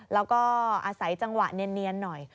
แล้วก็อาศัยจังหวะเนียนหน่อย